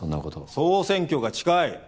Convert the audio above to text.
総選挙が近い。